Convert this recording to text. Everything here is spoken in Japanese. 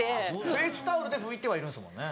フェースタオルで拭いてはいるんですもんね。